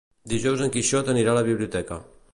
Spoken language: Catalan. Dijous en Quixot anirà a la biblioteca.